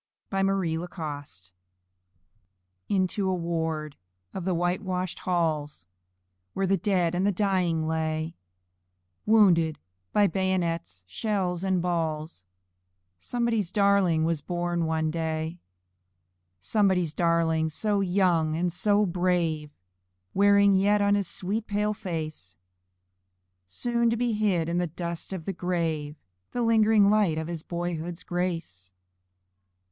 By Marie La Coste, of Georgia. Into a ward of the whitewashed halls, Where the dead and the dying lay Wounded by bayonets, shells, and balls, Somebody's darling was borne one day Somebody's darling, so young and so brave! Wearing yet on his sweet, pale face Soon to be hid in the dust of the grave The lingering light of his boyhood's grace!